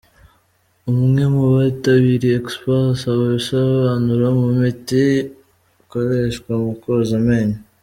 Umwe mu bitabiriye Expo asaba ibisobanuro ku miti koreshwa mu koza amenyo.